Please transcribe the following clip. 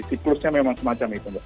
siklusnya memang semacam itu